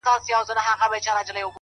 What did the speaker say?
انسانیت په توره نه راځي. په ډال نه راځي.